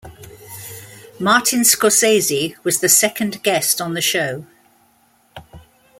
Martin Scorsese was the second guest on the show.